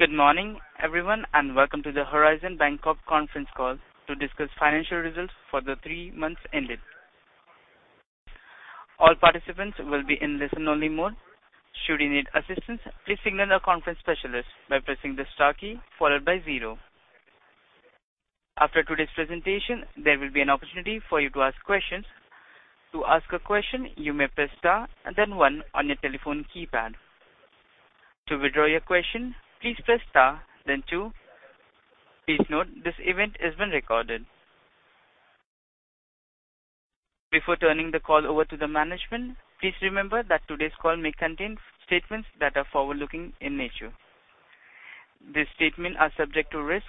Good morning, everyone, and welcome to the Horizon Bancorp Conference Call to discuss financial results for the three months ended. All participants will be in listen-only mode. Should you need assistance, please signal our conference specialist by pressing the star key followed by zero. After today's presentation, there will be an opportunity for you to ask questions. To ask a question, you may press star and then one on your telephone keypad. To withdraw your question, please press star, then two. Please note, this event is being recorded. Before turning the call over to the management, please remember that today's call may contain statements that are forward-looking in nature. These statement are subject to risks,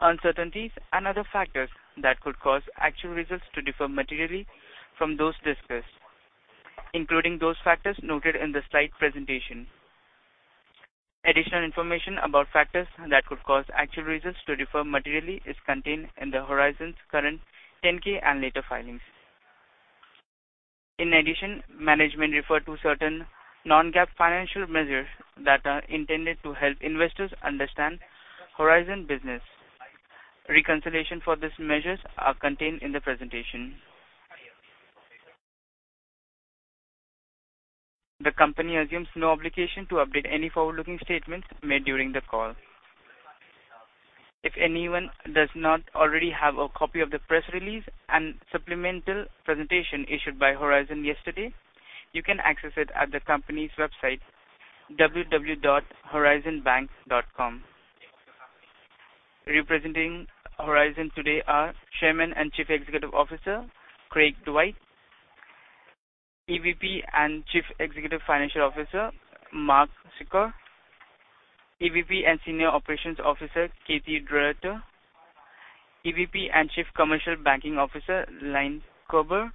uncertainties, and other factors that could cause actual results to differ materially from those discussed, including those factors noted in the Slide presentation. Additional information about factors that could cause actual results to differ materially is contained in Horizon's current 10-K and later filings. In addition, management refer to certain non-GAAP financial measures that are intended to help investors understand Horizon business. Reconciliation for these measures are contained in the presentation. The company assumes no obligation to update any forward-looking statements made during the call. If anyone does not already have a copy of the press release and supplemental presentation issued by Horizon yesterday, you can access it at the company's website, www.horizonbank.com. Representing Horizon today are Chairman and Chief Executive Officer, Craig Dwight; EVP and Chief Financial Officer, Mark Secor; EVP and Senior Operations Officer, Kathie DeRuiter; EVP and Chief Commercial Banking Officer, Lynn Kerber;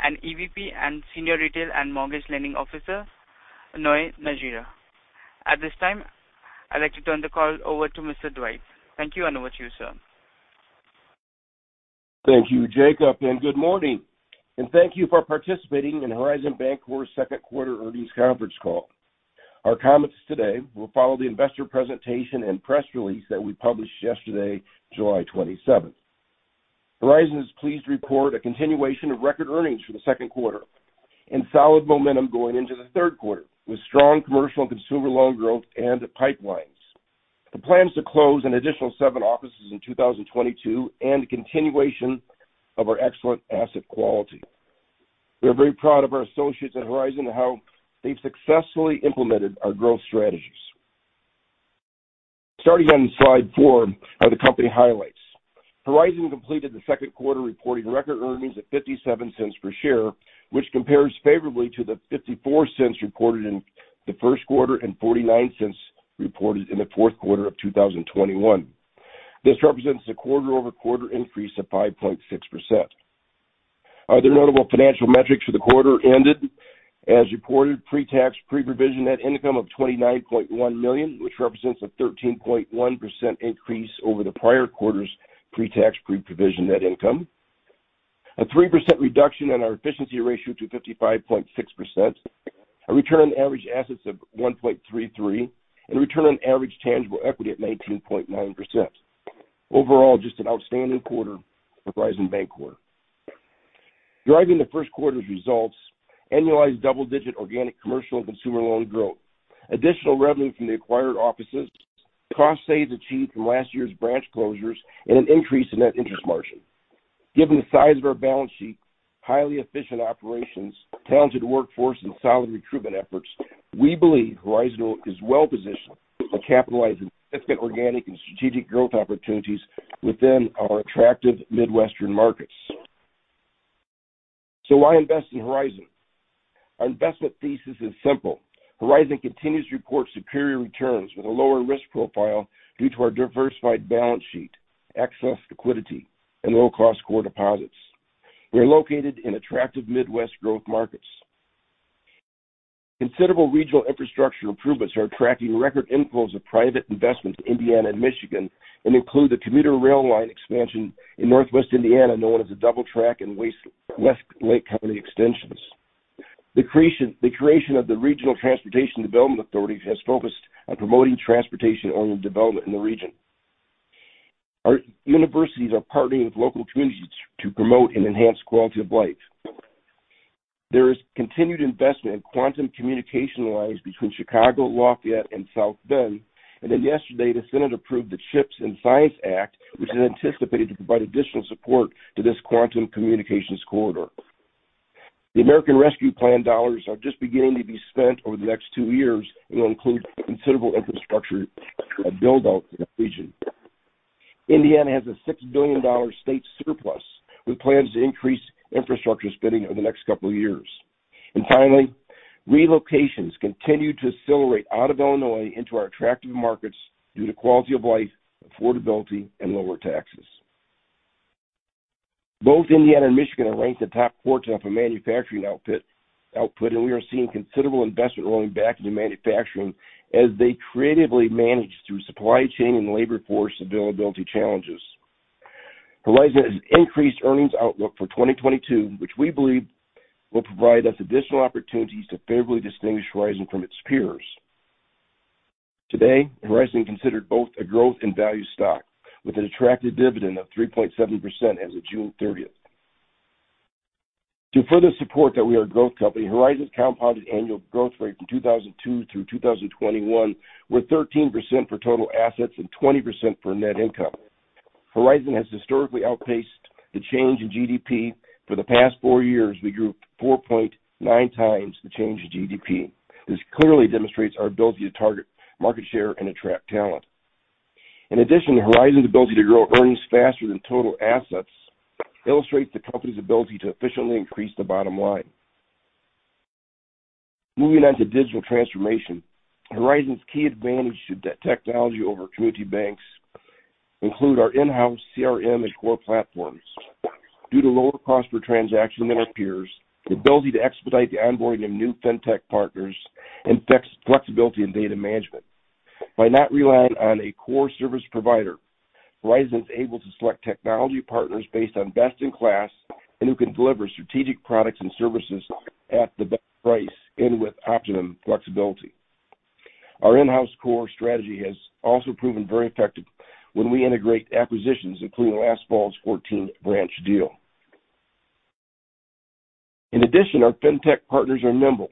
and EVP and Senior Retail and Mortgage Lending Officer, Noe Najera. At this time, I'd like to turn the call over to Mr. Dwight. Thank you, and over to you, sir. Thank you, Jacob, and good morning. Thank you for participating in Horizon Bancorp's second quarter earnings conference call. Our comments today will follow the investor presentation and press release that we published yesterday, July 27. Horizon is pleased to report a continuation of record earnings for the second quarter and solid momentum going into the third quarter with strong commercial and consumer loan growth and pipelines, the plans to close an additional seven offices in 2022 and continuation of our excellent asset quality. We are very proud of our associates at Horizon and how they've successfully implemented our growth strategies. Starting on Slide 4 are the company highlights. Horizon completed the second quarter reporting record earnings at $0.57 per share, which compares favorably to the $0.54 reported in the first quarter and $0.49 reported in the fourth quarter of 2021. This represents a quarter-over-quarter increase of 5.6%. Other notable financial metrics for the quarter ended, as reported, pre-tax, pre-provision net income of $29.1 million, which represents a 13.1% increase over the prior quarter's pre-tax, pre-provision net income. A 3% reduction in our efficiency ratio to 55.6%. A return on average assets of 1.33, and a return on average tangible equity at 19.9%. Overall, just an outstanding quarter for Horizon Bancorp. Driving the first quarter's results, annualized double-digit organic commercial and consumer loan growth, additional revenue from the acquired offices, cost savings achieved from last year's branch closures, and an increase in net interest margin. Given the size of our balance sheet, highly efficient operations, talented workforce, and solid recruitment efforts, we believe Horizon is well-positioned to capitalize on significant organic and strategic growth opportunities within our attractive Midwestern markets. Why invest in Horizon? Our investment thesis is simple. Horizon continues to report superior returns with a lower risk profile due to our diversified balance sheet, excess liquidity, and low-cost core deposits. We are located in attractive Midwest growth markets. Considerable regional infrastructure improvements are attracting record inflows of private investment to Indiana and Michigan and include the commuter rail line expansion in Northwest Indiana, known as the Double Track and West Lake County Extensions. The creation of the Regional Transportation Development Authority has focused on promoting transportation-oriented development in the region. Our universities are partnering with local communities to promote and enhance quality of life. There is continued investment in quantum communication lines between Chicago, Lafayette, and South Bend. Yesterday, the Senate approved the CHIPS and Science Act, which is anticipated to provide additional support to this quantum communications corridor. The American Rescue Plan dollars are just beginning to be spent over the next two years and will include considerable infrastructure build-out in the region. Indiana has a $6 billion state surplus, with plans to increase infrastructure spending over the next couple of years. Finally, relocations continue to accelerate out of Illinois into our attractive markets due to quality of life, affordability, and lower taxes. Both Indiana and Michigan are ranked the top quarter of a manufacturing output, and we are seeing considerable investment rolling back into manufacturing as they creatively manage through supply chain and labor force availability challenges. Horizon has increased earnings outlook for 2022, which we believe will provide us additional opportunities to favorably distinguish Horizon from its peers. Today, Horizon considered both a growth and value stock with an attractive dividend of 3.7% as of June 30th. To further support that we are a growth company, Horizon's compounded annual growth rate from 2002 through 2021 were 13% for total assets and 20% for net income. Horizon has historically outpaced the change in GDP. For the past four years, we grew 4.9x the change in GDP. This clearly demonstrates our ability to target market share and attract talent. In addition, Horizon's ability to grow earnings faster than total assets illustrates the company's ability to efficiently increase the bottom line. Moving on to digital transformation. Horizon's key advantage to technology over community banks include our in-house CRM and core platforms. Due to lower cost per transaction than our peers, the ability to expedite the onboarding of new fintech partners and flexibility in data management. By not relying on a core service provider, Horizon is able to select technology partners based on best in class and who can deliver strategic products and services at the best price and with optimum flexibility. Our in-house core strategy has also proven very effective when we integrate acquisitions, including last fall's 14th branch deal. In addition, our fintech partners are nimble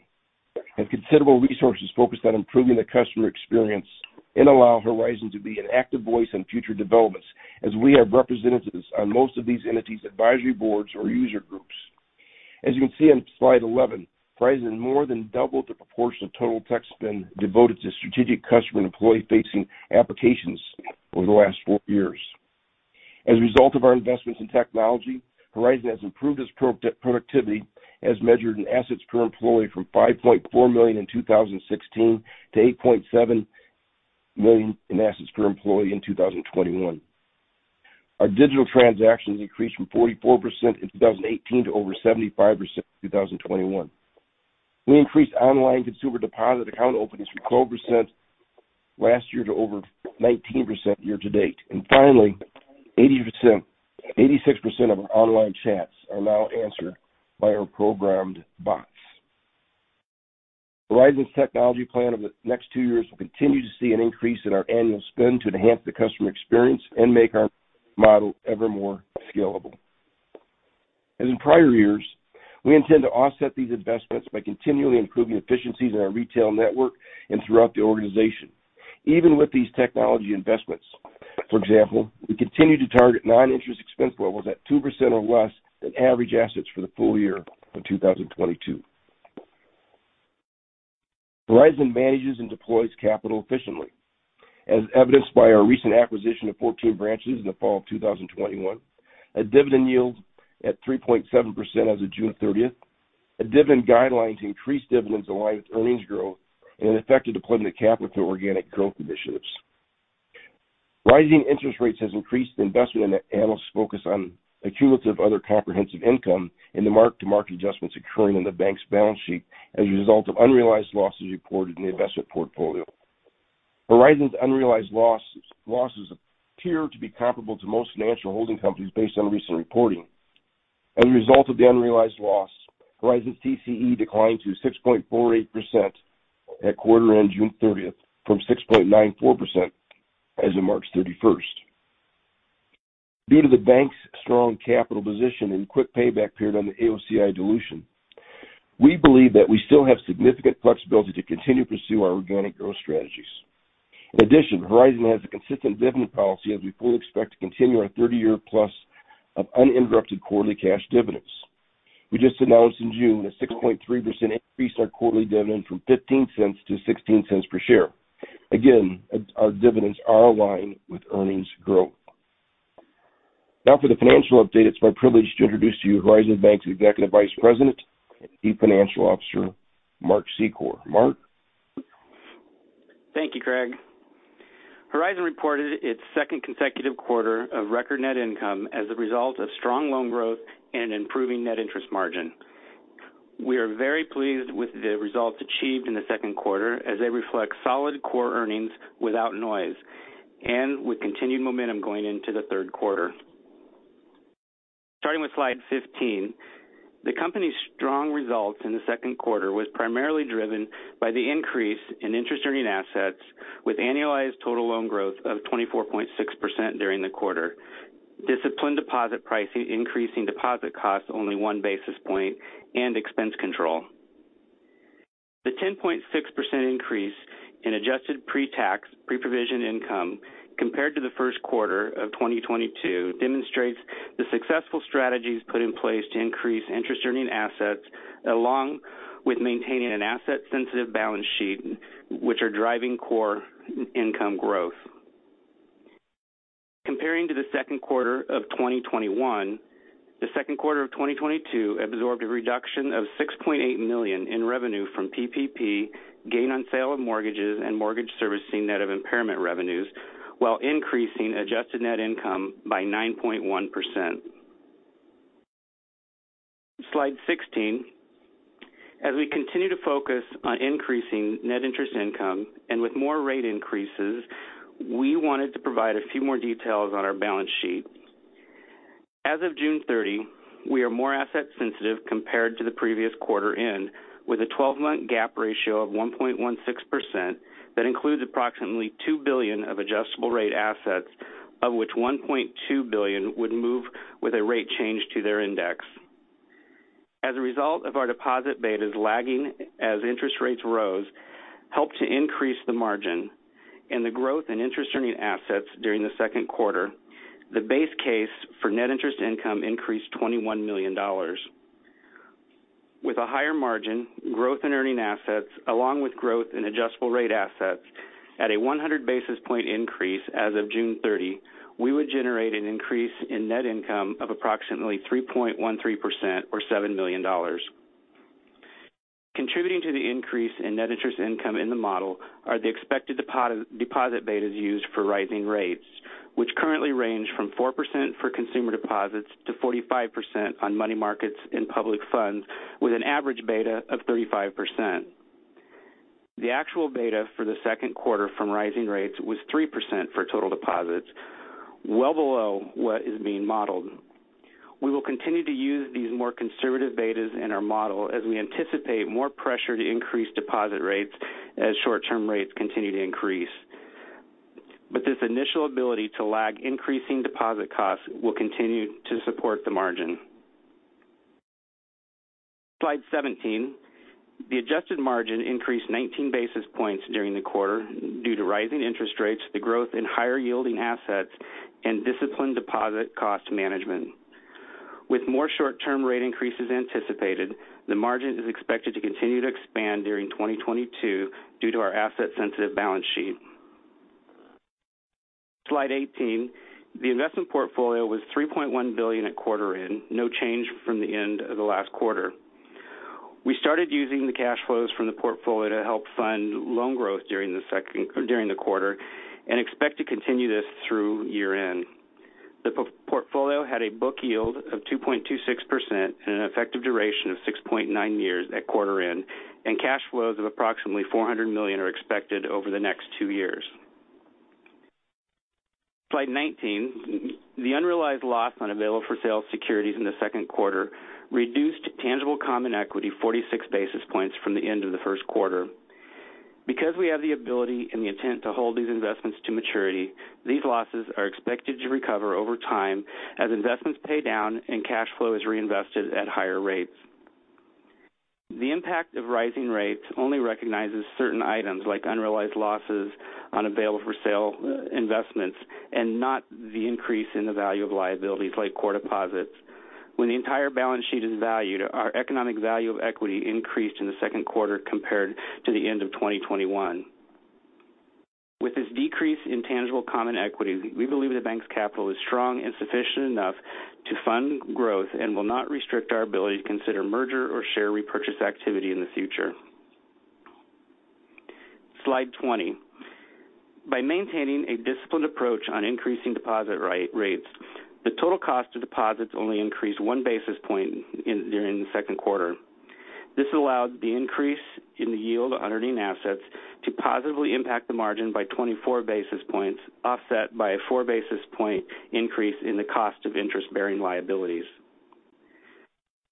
and considerable resources focused on improving the customer experience and allow Horizon to be an active voice in future developments, as we have representatives on most of these entities advisory boards or user groups. As you can see on Slide 11, Horizon more than doubled the proportion of total tech spend devoted to strategic customer and employee-facing applications over the last four years. As a result of our investments in technology, Horizon has improved its productivity as measured in assets per employee from $5.4 million in 2016 to $8.7 million in assets per employee in 2021. Our digital transactions increased from 44% in 2018 to over 75% in 2021. We increased online consumer deposit account openings from 12% last year to over 19% year to date. Finally, 86% of our online chats are now answered by our programmed bots. Horizon's technology plan over the next two years will continue to see an increase in our annual spend to enhance the customer experience and make our model ever more scalable. As in prior years, we intend to offset these investments by continually improving efficiencies in our retail network and throughout the organization. Even with these technology investments, for example, we continue to target non-interest expense levels at 2% or less of average assets for the full year of 2022. Horizon manages and deploys capital efficiently, as evidenced by our recent acquisition of 14 branches in the fall of 2021, a dividend yield at 3.7% as of June 30th, a dividend guideline to increase dividends aligned with earnings growth and an effective deployment of capital to organic growth initiatives. Rising interest rates has increased investors and analysts focus on accumulated other comprehensive income and the mark-to-market adjustments occurring on the bank's balance sheet as a result of unrealized losses reported in the investment portfolio. Horizon's unrealized losses appear to be comparable to most financial holding companies based on recent reporting. As a result of the unrealized loss, Horizon's TCE declined to 6.48% at quarter-end June 30th from 6.94% as of March 31st. Due to the bank's strong capital position and quick payback period on the AOCI dilution, we believe that we still have significant flexibility to continue to pursue our organic growth strategies. In addition, Horizon has a consistent dividend policy as we fully expect to continue our 30-year plus of uninterrupted quarterly cash dividends. We just announced in June a 6.3% increase in our quarterly dividend from $0.15 to $0.16 per share. Again, our dividends are aligned with earnings growth. Now for the financial update, it's my privilege to introduce to you Horizon Bank's Executive Vice President and Chief Financial Officer, Mark Secor. Mark. Thank you, Craig. Horizon reported its second consecutive quarter of record net income as a result of strong loan growth and improving net interest margin. We are very pleased with the results achieved in the second quarter as they reflect solid core earnings without noise and with continued momentum going into the third quarter. Starting with Slide 15, the company's strong results in the second quarter was primarily driven by the increase in interest earning assets with annualized total loan growth of 24.6% during the quarter. Disciplined deposit pricing, increasing deposit costs only 1 basis point and expense control. The 10.6% increase in adjusted pre-tax, pre-provision income compared to the first quarter of 2022 demonstrates the successful strategies put in place to increase interest earning assets, along with maintaining an asset sensitive balance sheet, which are driving core income growth. Comparing to the second quarter of 2021, the second quarter of 2022 absorbed a reduction of $6.8 million in revenue from PPP, gain on sale of mortgages, and mortgage servicing net of impairment revenues, while increasing adjusted net income by 9.1%. Slide 16. As we continue to focus on increasing net interest income and with more rate increases, we wanted to provide a few more details on our balance sheet. As of June 30, we are more asset sensitive compared to the previous quarter end, with a 12-month GAAP ratio of 1.16% that includes approximately $2 billion of adjustable rate assets, of which $1.2 billion would move with a rate change to their index. As a result of our deposit betas lagging as interest rates rose, helped to increase the margin and the growth in interest earning assets during the second quarter, the base case for net interest income increased $21 million. With a higher margin growth in earning assets along with growth in adjustable rate assets at a 100 basis points increase as of June 30, we would generate an increase in net income of approximately 3.13% or $7 million. Contributing to the increase in net interest income in the model are the expected deposit betas used for rising rates, which currently range from 4% for consumer deposits to 45% on money markets in public funds, with an average beta of 35%. The actual beta for the second quarter from rising rates was 3% for total deposits, well below what is being modeled. We will continue to use these more conservative betas in our model as we anticipate more pressure to increase deposit rates as short-term rates continue to increase. This initial ability to lag increasing deposit costs will continue to support the margin. Slide 17. The adjusted margin increased 19 basis points during the quarter due to rising interest rates, the growth in higher yielding assets and disciplined deposit cost management. With more short term rate increases anticipated, the margin is expected to continue to expand during 2022 due to our asset sensitive balance sheet. Slide 18. The investment portfolio was $3.1 billion at quarter end, no change from the end of the last quarter. We started using the cash flows from the portfolio to help fund loan growth during the second quarter and expect to continue this through year-end. The portfolio had a book yield of 2.26% and an effective duration of 6.9 years at quarter end, and cash flows of approximately $400 million are expected over the next two years. Slide 19. The unrealized loss on available for sale securities in the second quarter reduced tangible common equity 46 basis points from the end of the first quarter. Because we have the ability and the intent to hold these investments to maturity, these losses are expected to recover over time as investments pay down and cash flow is reinvested at higher rates. The impact of rising rates only recognizes certain items like unrealized losses on available for sale investments and not the increase in the value of liabilities like core deposits. When the entire balance sheet is valued, our economic value of equity increased in the second quarter compared to the end of 2021. With this decrease in tangible common equity, we believe the bank's capital is strong and sufficient enough to fund growth and will not restrict our ability to consider merger or share repurchase activity in the future. Slide 20. By maintaining a disciplined approach on increasing deposit rates, the total cost of deposits only increased 1 basis point during the second quarter. This allowed the increase in the yield on earning assets to positively impact the margin by 24 basis points, offset by a 4 basis point increase in the cost of interest-bearing liabilities.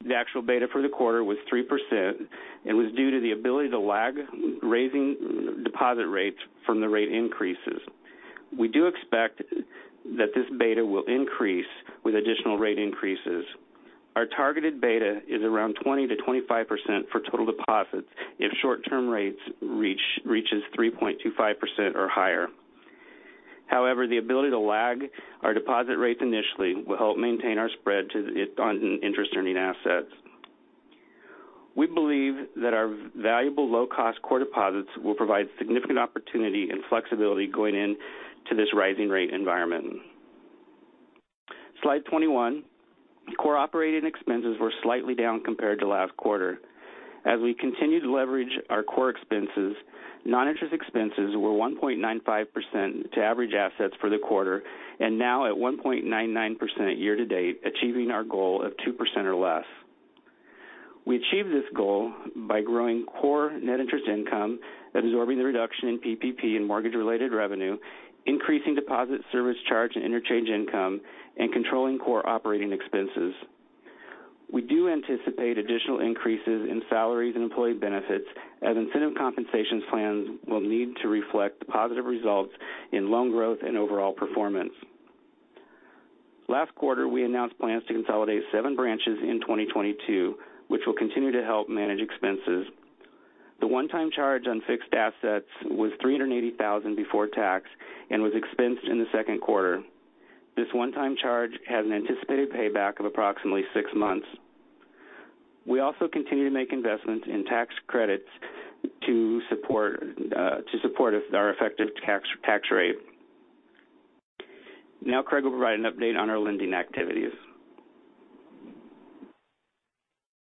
The actual beta for the quarter was 3% and was due to the ability to lag raising deposit rates from the rate increases. We do expect that this beta will increase with additional rate increases. Our targeted beta is around 20%-25% for total deposits if short term rates reaches 3.25% or higher. However, the ability to lag our deposit rates initially will help maintain our spread on interest earning assets. We believe that our valuable low cost core deposits will provide significant opportunity and flexibility going into this rising rate environment. Slide 21. Core operating expenses were slightly down compared to last quarter. As we continue to leverage our core expenses, non-interest expenses were 1.95% to average assets for the quarter and now at 1.99% year to date, achieving our goal of 2% or less. We achieved this goal by growing core net interest income, absorbing the reduction in PPP and mortgage related revenue, increasing deposit service charge and interchange income, and controlling core operating expenses. We do anticipate additional increases in salaries and employee benefits as incentive compensation plans will need to reflect the positive results in loan growth and overall performance. Last quarter, we announced plans to consolidate seven branches in 2022, which will continue to help manage expenses. The one-time charge on fixed assets was $380,000 before tax and was expensed in the second quarter. This one-time charge has an anticipated payback of approximately six months. We also continue to make investments in tax credits to support our effective tax rate. Now Craig will provide an update on our lending activities.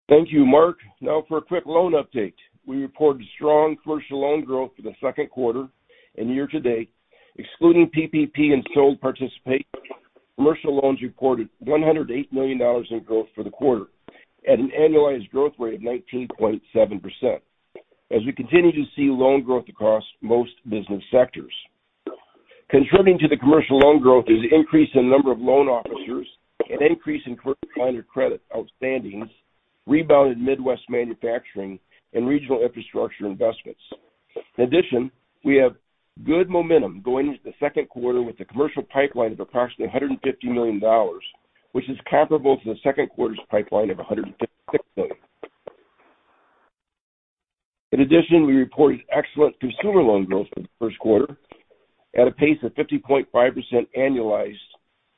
Thank you, Mark. Now for a quick loan update. We reported strong commercial loan growth for the second quarter and year to date. Excluding PPP and sold participation, commercial loans reported $108 million in growth for the quarter at an annualized growth rate of 19.7% as we continue to see loan growth across most business sectors. Contributing to the commercial loan growth is an increase in number of loan officers, an increase in current line of credit outstandings, rebounded Midwest manufacturing, and regional infrastructure investments. In addition, we have good momentum going into the second quarter with a commercial pipeline of approximately $150 million, which is comparable to the second quarter's pipeline of $156 million. In addition, we reported excellent consumer loan growth in the first quarter at a pace of 50.5% annualized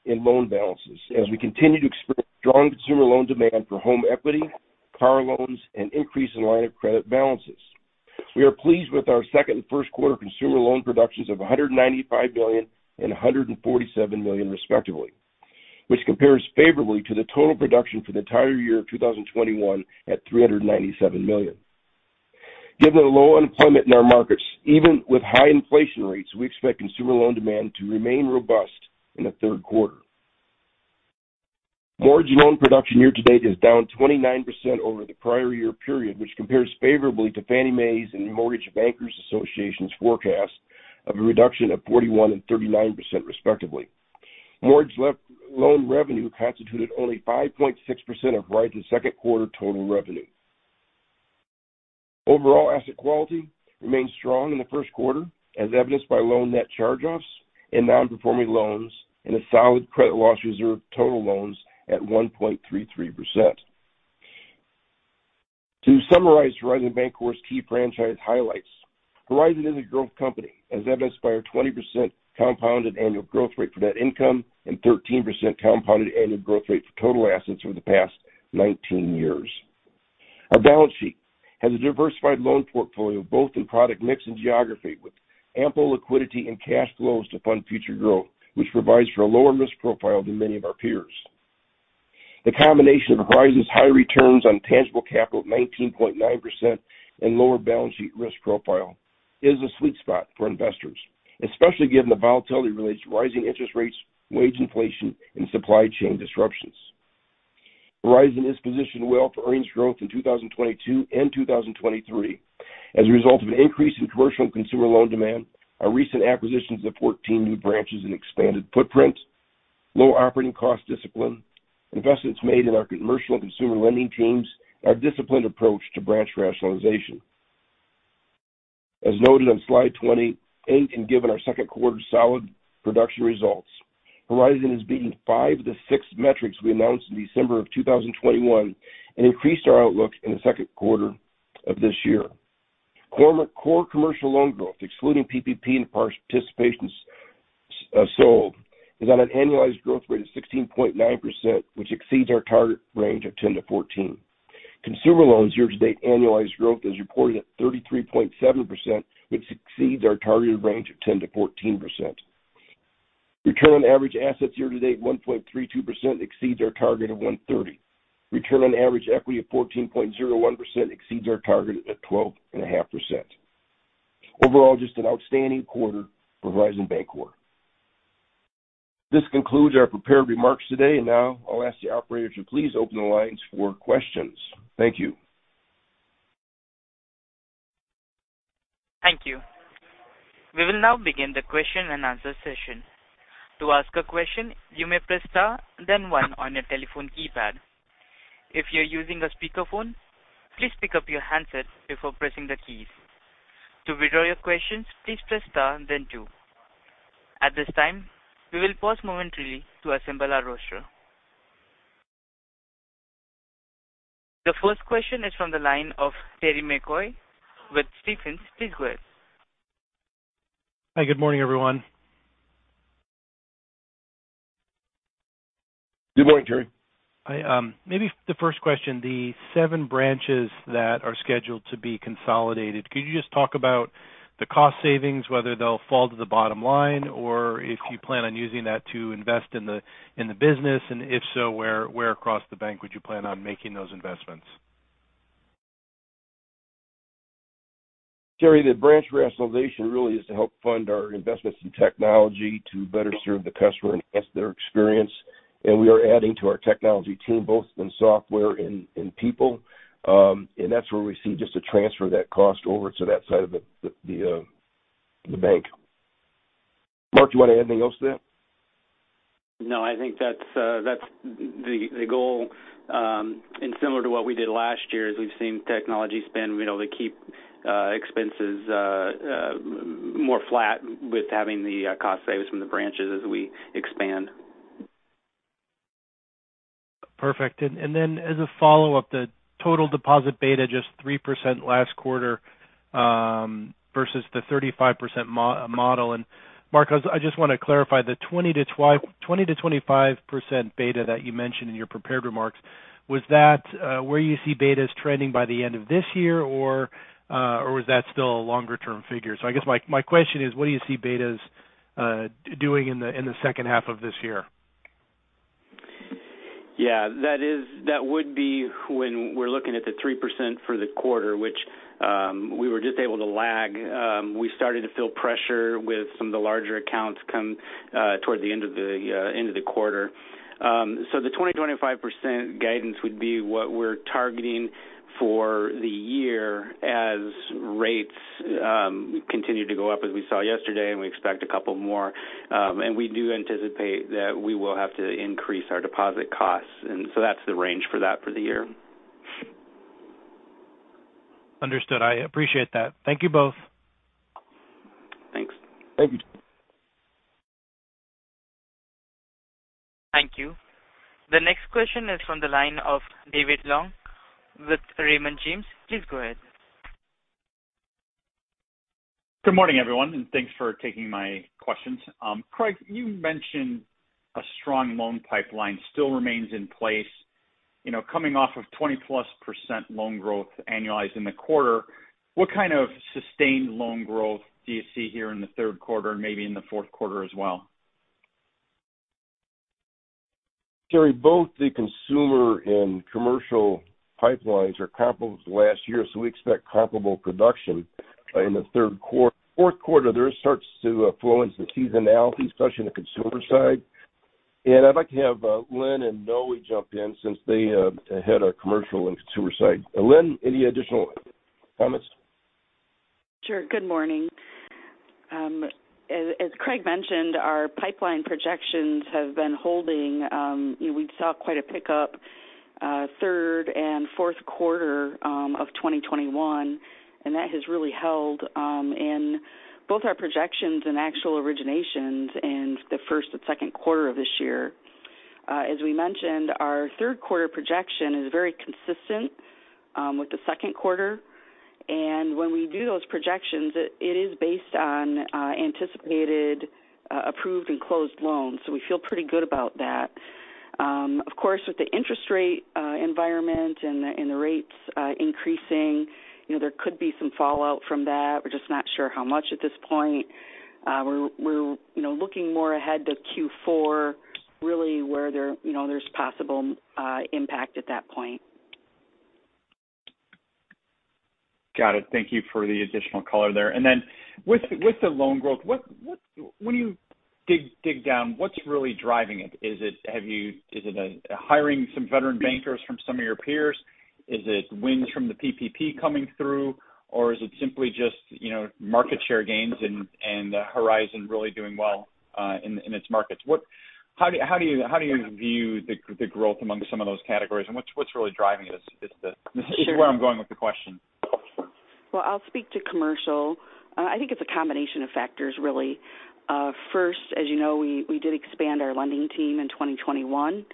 in loan balances as we continue to experience strong consumer loan demand for home equity, car loans, and increase in line of credit balances. We are pleased with our second and first quarter consumer loan productions of $195 million and $147 million, respectively, which compares favorably to the total production for the entire year of 2021 at $397 million. Given the low unemployment in our markets, even with high inflation rates, we expect consumer loan demand to remain robust in the third quarter. Mortgage loan production year to date is down 29% over the prior year period, which compares favorably to Fannie Mae's and Mortgage Bankers Association's forecast of a reduction of 41% and 39%, respectively. Mortgage loan revenue constituted only 5.6% of Horizon's second quarter total revenue. Overall asset quality remained strong in the first quarter, as evidenced by loan net charge-offs and non-performing loans and a solid credit loss reserve-to-total loans at 1.33%. To summarize Horizon Bancorp's key franchise highlights. Horizon is a growth company, as evidenced by our 20% compounded annual growth rate for net income and 13% compounded annual growth rate for total assets over the past 19 years. Our balance sheet has a diversified loan portfolio, both in product mix and geography, with ample liquidity and cash flows to fund future growth, which provides for a lower risk profile than many of our peers. The combination of Horizon's high returns on tangible capital of 19.9% and lower balance sheet risk profile is a sweet spot for investors, especially given the volatility related to rising interest rates, wage inflation, and supply chain disruptions. Horizon is positioned well for earnings growth in 2022 and 2023 as a result of an increase in commercial and consumer loan demand, our recent acquisitions of 14 new branches and expanded footprints, low operating cost discipline, investments made in our commercial and consumer lending teams, our disciplined approach to branch rationalization. As noted on Slide 28, given our second quarter solid production results, Horizon is beating five of the six metrics we announced in December 2021 and increased our outlook in the second quarter of this year. Core commercial loan growth, excluding PPP and participations, sold, is at an annualized growth rate of 16.9%, which exceeds our target range of 10%-14%. Consumer loans year to date annualized growth is reported at 33.7%, which exceeds our targeted range of 10%-14%. Return on average assets year to date of 1.32% exceeds our target of 1.30%. Return on average equity of 14.01% exceeds our target at 12.5%. Overall, just an outstanding quarter for Horizon Bancorp. This concludes our prepared remarks today. Now I'll ask the operator to please open the lines for questions. Thank you. Thank you. We will now begin the question-and-answer session. To ask a question, you may press star then one on your telephone keypad. If you're using a speakerphone, please pick up your handset before pressing the keys. To withdraw your questions, please press star then two. At this time, we will pause momentarily to assemble our roster. The first question is from the line of Terry McEvoy with Stephens Inc. Hi. Good morning, everyone. Good morning, Terry. Maybe for the first question, the seven branches that are scheduled to be consolidated, could you just talk about the cost savings, whether they'll fall to the bottom line or if you plan on using that to invest in the business? If so, where across the bank would you plan on making those investments? Terry, the branch rationalization really is to help fund our investments in technology to better serve the customer and enhance their experience. We are adding to our technology team, both in software and people. That's where we see just a transfer of that cost over to that side of the bank. Mark, do you want to add anything else to that? No, I think that's the goal. Similar to what we did last year, as we've seen technology spend, we're able to keep expenses more flat with having the cost savings from the branches as we expand. Perfect. Then as a follow-up, the total deposit beta just 3% last quarter, versus the 35% model. Mark, I just wanna clarify the 20%-25% beta that you mentioned in your prepared remarks, was that where you see betas trending by the end of this year, or was that still a longer-term figure? I guess my question is what do you see betas doing in the second half of this year? Yeah, that would be when we're looking at the 3% for the quarter, which we were just able to lag. We started to feel pressure with some of the larger accounts come toward the end of the quarter. The 20%-25% guidance would be what we're targeting for the year as rates continue to go up as we saw yesterday, and we expect a couple more. We do anticipate that we will have to increase our deposit costs. That's the range for that for the year. Understood. I appreciate that. Thank you both. Thanks. Thank you. Thank you. The next question is from the line of David Long with Raymond James. Please go ahead. Good morning, everyone, and thanks for taking my questions. Craig, you mentioned a strong loan pipeline still remains in place. You know, coming off of 20%+ loan growth annualized in the quarter, what kind of sustained loan growth do you see here in the third quarter and maybe in the fourth quarter as well? David, both the consumer and commercial pipelines are comparable to last year, so we expect comparable production in the fourth quarter. That starts to influence the seasonality, especially on the consumer side. I'd like to have Lynn and Noe jump in since they head our commercial and consumer side. Lynn, any additional comments? Sure. Good morning. As Craig mentioned, our pipeline projections have been holding. We saw quite a pickup, third and fourth quarter of 2021, and that has really held in both our projections and actual originations in the first and second quarter of this year. As we mentioned, our third quarter projection is very consistent with the second quarter. When we do those projections, it is based on anticipated, approved and closed loans. We feel pretty good about that. Of course, with the interest rate environment and the rates increasing, you know, there could be some fallout from that. We're just not sure how much at this point. We're, you know, looking more ahead to Q4, really where there, you know, there's possible impact at that point. Got it. Thank you for the additional color there. With the loan growth, what, when you dig down, what's really driving it? Is it hiring some veteran bankers from some of your peers? Is it wins from the PPP coming through? Or is it simply just, you know, market share gains and Horizon really doing well in its markets? What, how do you view the growth among some of those categories, and what's really driving it is where I'm going with the question. Well, I'll speak to commercial. I think it's a combination of factors, really. First, as you know, we did expand our lending team in 2021.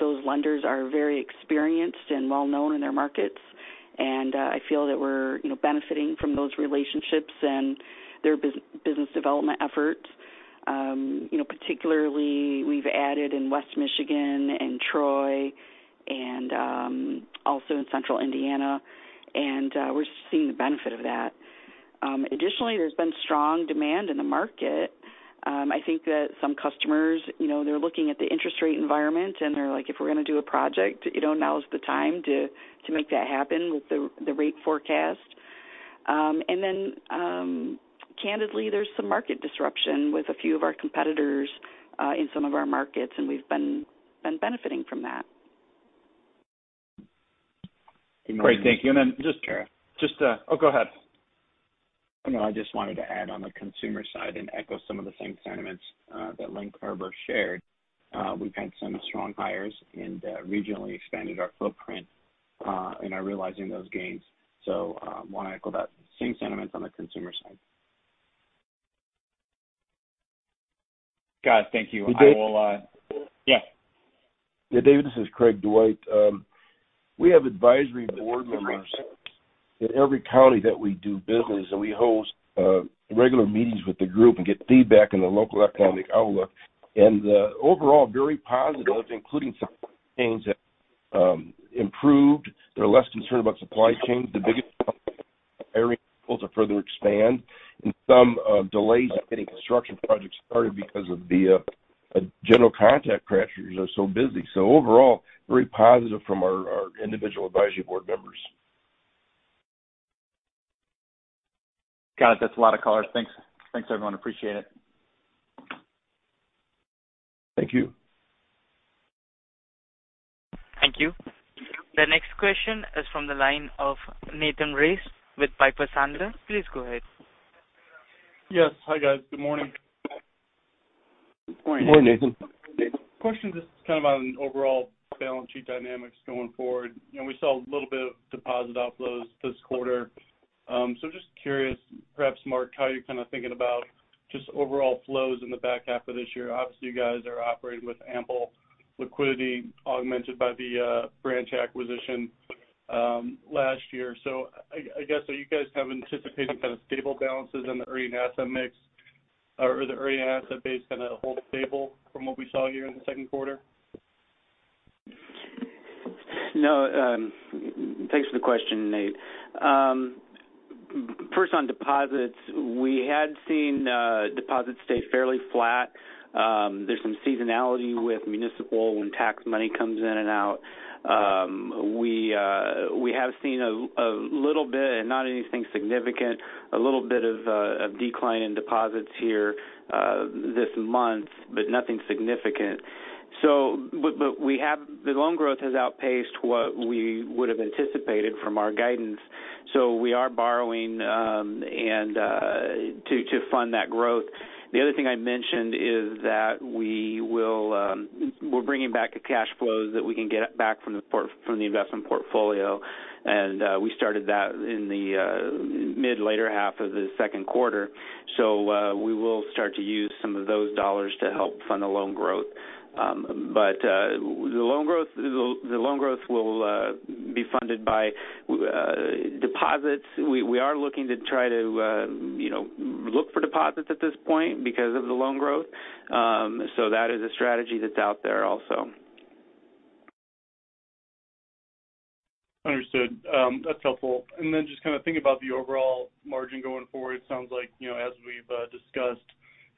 Those lenders are very experienced and well-known in their markets, and I feel that we're, you know, benefiting from those relationships and their business development efforts. You know, particularly we've added in West Michigan and Troy and also in Central Indiana, and we're seeing the benefit of that. Additionally, there's been strong demand in the market. I think that some customers, you know, they're looking at the interest rate environment, and they're like, "If we're gonna do a project, you know, now is the time to make that happen with the rate forecast." Candidly, there's some market disruption with a few of our competitors in some of our markets, and we've been benefiting from that. Great. Thank you. Sure. Oh, go ahead. No, I just wanted to add on the consumer side and echo some of the same sentiments that Lynn Kerber shared. We've had some strong hires and regionally expanded our footprint and are realizing those gains. Wanna echo that same sentiments on the consumer side. Got it. Thank you. David- I will. Yeah. Yeah, David, this is Craig Dwight. We have advisory board members in every county that we do business, and we host regular meetings with the group and get feedback on the local economic outlook. Overall very positive, including some things that improved. They're less concerned about supply chain, the biggest area to further expand, and some delays getting construction projects started because of the general contractors are so busy. Overall, very positive from our individual advisory board members. Got it. That's a lot of color. Thanks. Thanks, everyone. Appreciate it. Thank you. Thank you. The next question is from the line of Nathan Race with Piper Sandler. Please go ahead. Yes. Hi, guys. Good morning. Good morning. Good morning, Nathan. Question just kind of on overall balance sheet dynamics going forward. You know, we saw a little bit of deposit outflows this quarter. Just curious, perhaps, Mark, how you're kind of thinking about just overall flows in the back half of this year. Obviously, you guys are operating with ample liquidity augmented by the branch acquisition last year. I guess, are you guys kind of anticipating kind of stable balances on the earning asset mix or the earning asset base gonna hold stable from what we saw here in the second quarter? No, thanks for the question, Nate. First on deposits, we had seen deposits stay fairly flat. There's some seasonality with municipal when tax money comes in and out. We have seen a little bit, and not anything significant, of decline in deposits here this month, but nothing significant. The loan growth has outpaced what we would have anticipated from our guidance, so we are borrowing and to fund that growth. The other thing I mentioned is that we're bringing back a cash flows that we can get back from the investment portfolio. We started that in the mid later half of the second quarter. We will start to use some of those dollars to help fund the loan growth. The loan growth will be funded by deposits. We are looking to try to you know look for deposits at this point because of the loan growth. That is a strategy that's out there also. Understood. That's helpful. Then just kind of thinking about the overall margin going forward, it sounds like, you know, as we've discussed,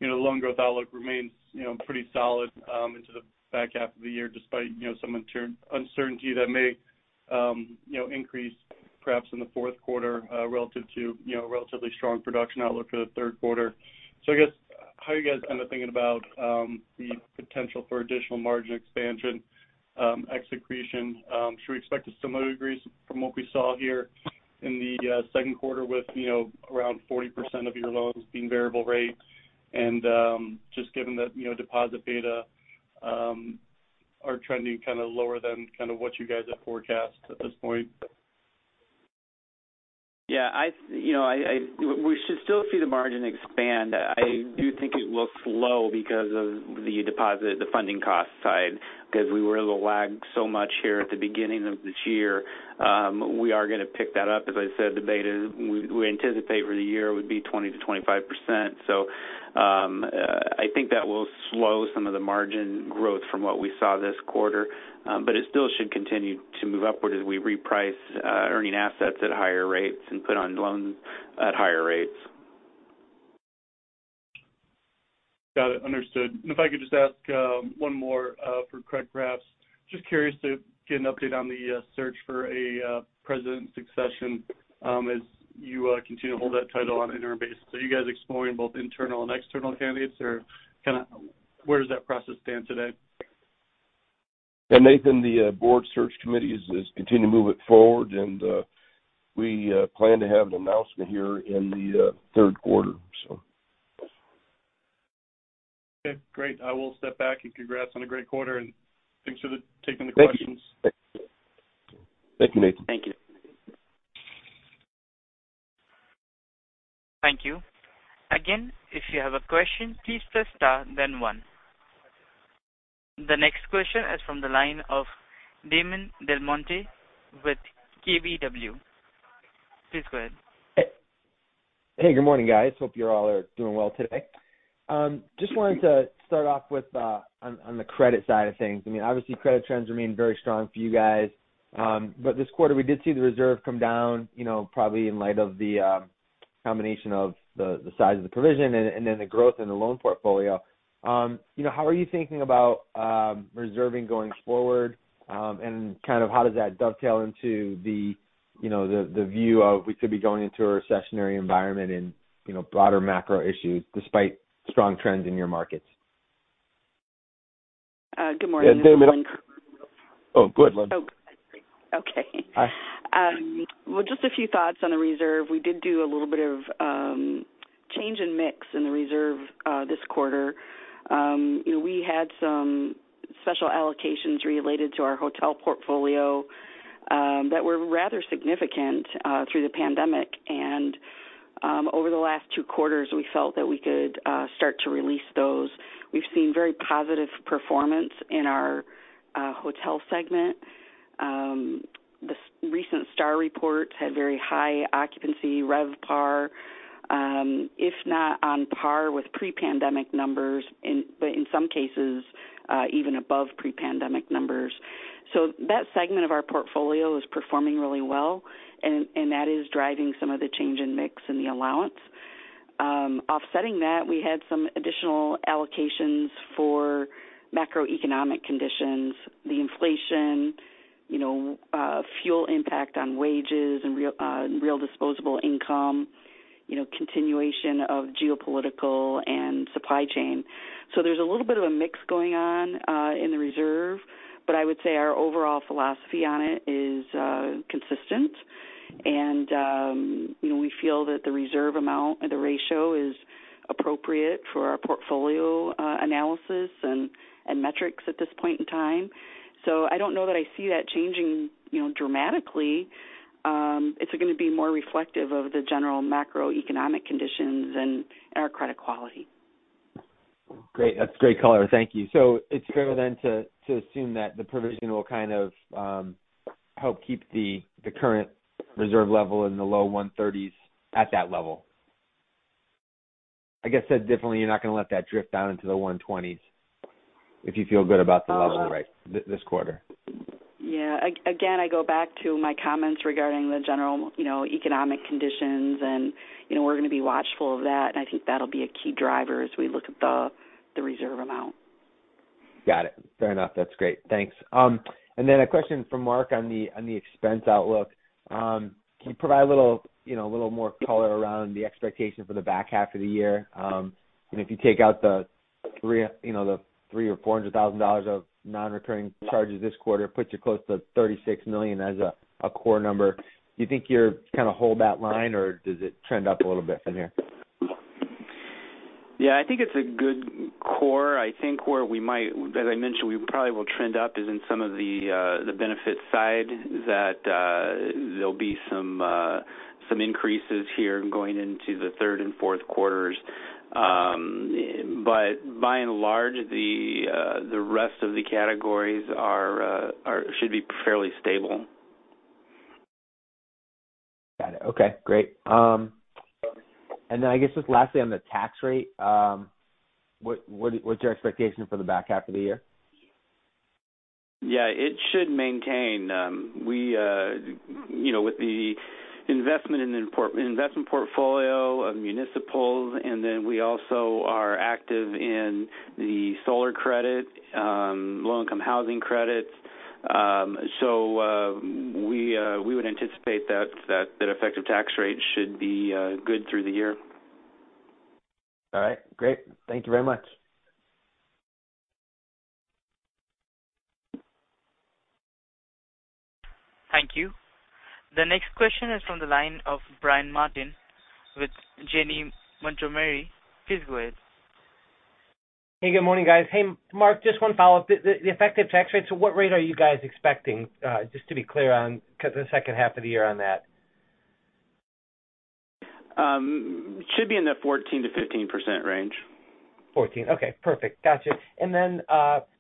you know, loan growth outlook remains, you know, pretty solid into the back half of the year despite, you know, some uncertainty that may, you know, increase perhaps in the fourth quarter relative to, you know, relatively strong production outlook for the third quarter. So I guess how are you guys end up thinking about the potential for additional margin expansion execution? Should we expect a similar degrees from what we saw here in the second quarter with, you know, around 40% of your loans being variable rates and just given that, you know, deposit beta are trending kind of lower than kind of what you guys have forecast at this point? Yeah, we should still see the margin expand. I do think it looks low because of the deposit, the funding cost side because we were able to lag so much here at the beginning of this year. We are going to pick that up. As I said, the beta we anticipate for the year would be 20%-25%. I think that will slow some of the margin growth from what we saw this quarter. It still should continue to move upward as we reprice earning assets at higher rates and put on loans at higher rates. Got it. Understood. If I could just ask one more for Craig Dwight. Just curious to get an update on the search for a president succession as you continue to hold that title on an interim basis. Are you guys exploring both internal and external candidates or kind of where does that process stand today? Yeah, Nathan, the board search committee is continuing to move it forward, and we plan to have an announcement here in the third quarter. Okay, great. I will step back and congrats on a great quarter and thanks for taking the questions. Thank you. Thank you, Nathan. Thank you. Thank you. Again, if you have a question, please press Star, then one. The next question is from the line of Damon DelMonte with KBW. Please go ahead. Hey, good morning, guys. Hope you all are doing well today. Just wanted to start off with on the credit side of things. I mean, obviously credit trends remain very strong for you guys. This quarter we did see the reserve come down, you know, probably in light of the combination of the size of the provision and then the growth in the loan portfolio. You know, how are you thinking about reserving going forward? Kind of how does that dovetail into the view of we could be going into a recessionary environment in broader macro issues despite strong trends in your markets? Good morning. Yeah, Damon. This is Lynn. Oh, go ahead, Lynn. Oh. Okay. Well, just a few thoughts on the reserve. We did do a little bit of change in mix in the reserve this quarter. We had some special allocations related to our hotel portfolio that were rather significant through the pandemic. Over the last two quarters, we felt that we could start to release those. We've seen very positive performance in our hotel segment. The recent STR report had very high occupancy RevPAR, if not on par with pre-pandemic numbers but in some cases even above pre-pandemic numbers. That segment of our portfolio is performing really well and that is driving some of the change in mix in the allowance. Offsetting that, we had some additional allocations for macroeconomic conditions, the inflation, you know, fuel impact on wages and real disposable income, you know, continuation of geopolitical and supply chain. There's a little bit of a mix going on in the reserve, but I would say our overall philosophy on it is consistent. We feel that the reserve amount and the ratio is appropriate for our portfolio analysis and metrics at this point in time. I don't know that I see that changing, you know, dramatically. It's gonna be more reflective of the general macroeconomic conditions and our credit quality. Great. That's great color. Thank you. It's fair then to assume that the provision will kind of help keep the current reserve level in the low 130s at that level? I guess that definitely you're not gonna let that drift down into the 1.20s if you feel good about the level, right, this quarter. Yeah. Again, I go back to my comments regarding the general, you know, economic conditions. You know, we're gonna be watchful of that, and I think that'll be a key driver as we look at the reserve amount. Got it. Fair enough. That's great. Thanks. A question from Mark on the expense outlook. Can you provide a little, you know, a little more color around the expectation for the back half of the year? If you take out the $300,000-$400,000 of non-recurring charges this quarter, puts you close to $36 million as a core number. Do you think you're kinda hold that line or does it trend up a little bit from here? Yeah, I think it's a good core. I think as I mentioned, we probably will trend up is in some of the benefits side that there'll be some increases here going into the third and fourth quarters. By and large, the rest of the categories should be fairly stable. Got it. Okay, great. I guess just lastly on the tax rate, what's your expectation for the back half of the year? It should maintain. We, you know, with the investment in the portfolio of municipals, and then we also are active in the solar credit, low-income housing credits. We would anticipate that effective tax rate should be good through the year. All right, great. Thank you very much. Thank you. The next question is from the line of Brian Martin with Janney Montgomery Scott. Please go ahead. Hey, good morning, guys. Hey, Mark, just one follow-up. The effective tax rate, so what rate are you guys expecting, just to be clear on kind of the second half of the year on that? Should be in the 14%-15% range. 14%. Okay, perfect. Gotcha. Then,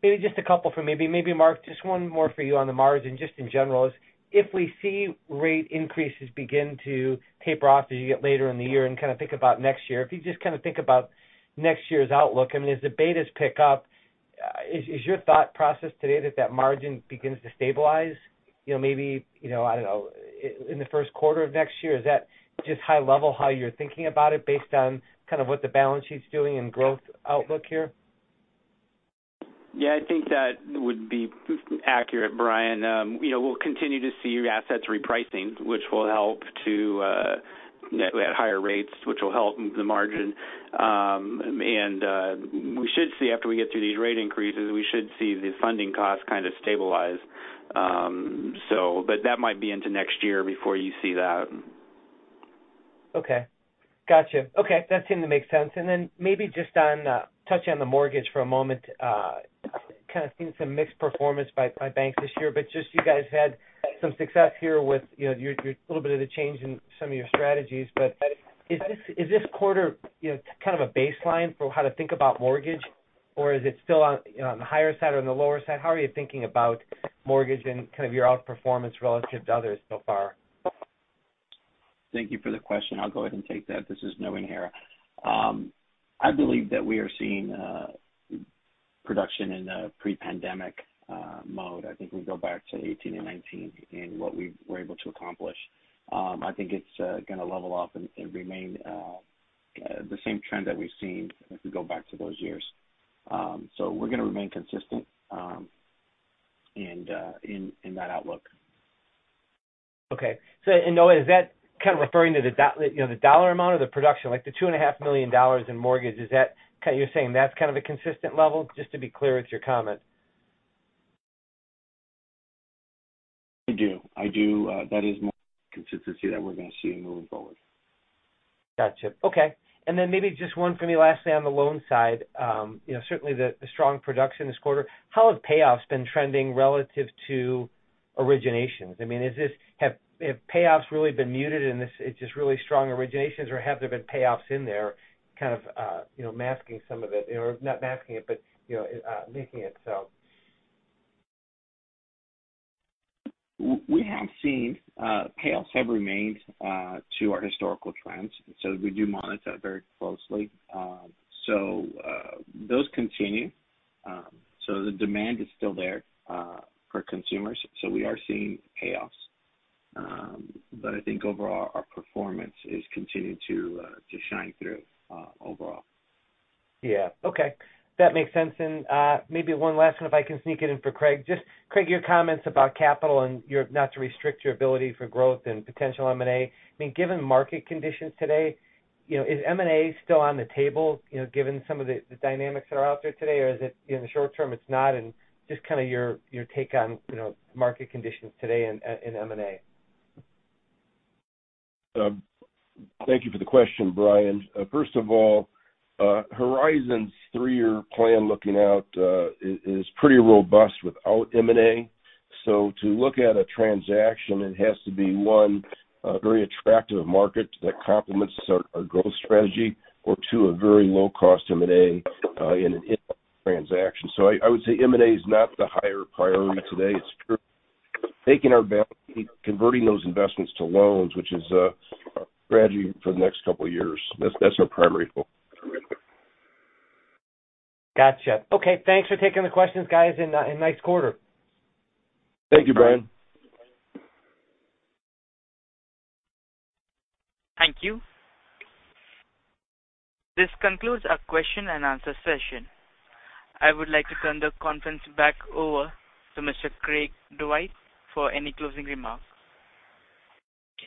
maybe just a couple for me—maybe Mark, just one more for you on the margin, just in general if we see rate increases begin to taper off as you get later in the year and kind of think about next year. If you just kind of think about next year's outlook, I mean, as the betas pick up, is your thought process today that margin begins to stabilize? You know, maybe, you know, I don't know, in the first quarter of next year, is that just high level how you're thinking about it based on kind of what the balance sheet's doing and growth outlook here? Yeah, I think that would be accurate, Brian. You know, we'll continue to see assets repricing, which will help to net at higher rates, which will help the margin. We should see, after we get through these rate increases, the funding costs kind of stabilize. That might be into next year before you see that. Okay. Gotcha. Okay, that seemed to make sense. Maybe just touch on the mortgage for a moment. Kind of seen some mixed performance by banks this year, but just you guys had some success here with, you know, your little bit of the change in some of your strategies. Is this quarter, you know, kind of a baseline for how to think about mortgage? Or is it still on, you know, on the higher side or on the lower side? How are you thinking about mortgage and kind of your outperformance relative to others so far? Thank you for the question. I'll go ahead and take that. This is Noe Najera. I believe that we are seeing production in the pre-pandemic mode. I think we go back to 2018 and 2019 in what we were able to accomplish. I think it's gonna level off and remain the same trend that we've seen if we go back to those years. We're gonna remain consistent and in that outlook. Noe Najera, is that kind of referring to you know, the dollar amount or the production, like the $2.5 million in mortgage, is that you're saying that's kind of a consistent level? Just to be clear with your comment. I do. That is more consistency that we're gonna see moving forward. Gotcha. Okay. Maybe just one for me lastly on the loan side. You know, certainly the strong production this quarter. How have payoffs been trending relative to originations? I mean, have payoffs really been muted and this is just really strong originations or have there been payoffs in there kind of, you know, masking some of it? Or not masking it, but, you know, making it so? We have seen payoffs have remained true to our historical trends, so we do monitor it very closely. Those continue. The demand is still there for consumers, so we are seeing payoffs. I think overall our performance is continuing to shine through overall. Yeah. Okay. That makes sense. Maybe one last one if I can sneak it in for Craig. Just Craig, your comments about capital and you're not to restrict your ability for growth and potential M&A. I mean, given market conditions today, you know, is M&A still on the table, you know, given some of the dynamics that are out there today? Or is it in the short term it's not and just kind of your take on, you know, market conditions today in M&A. Thank you for the question, Brian. First of all, Horizon's three-year plan looking out is pretty robust without M&A. To look at a transaction, it has to be, one, a very attractive market that complements our growth strategy or, two, a very low cost M&A in transaction. I would say M&A is not the higher priority today. It's taking our balance sheet, converting those investments to loans, which is our strategy for the next couple of years. That's our primary goal. Gotcha. Okay. Thanks for taking the questions, guys, and nice quarter. Thank you, Brian. Thank you. This concludes our question and answer session. I would like to turn the conference back over to Mr. Craig Dwight for any closing remarks.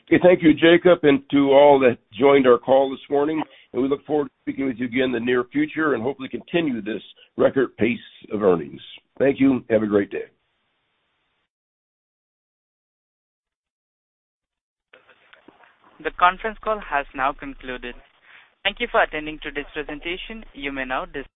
Okay, thank you, Jacob, and to all that joined our call this morning. We look forward to speaking with you again in the near future and hopefully continue this record pace of earnings. Thank you. Have a great day. The conference call has now concluded. Thank you for attending today's presentation. You may now disconnect.